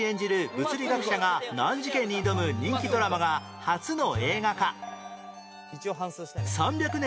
物理学者が難事件に挑む人気ドラマが初の映画化